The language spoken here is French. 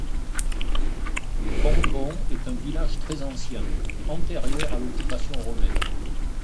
Combon est un village très ancien, antérieur à l’occupation romaine.